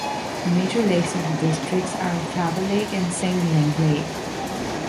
The major lakes of the district are Thada lake and Sengleng lake.